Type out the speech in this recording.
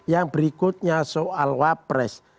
yang berikutnya soal wapres